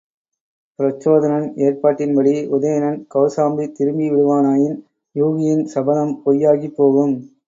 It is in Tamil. பிரச்சோதனன் ஏற்பாட்டின் படி உதயணன் கௌசாம்பி திரும்பி விடுவானாயின் யூகியின் சபதம் பொய்யாகிப் போகும்.